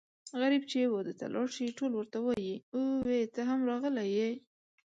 غريب چې واده ته لاړ شي ټول ورته وايي اووی ته هم راغلی یې.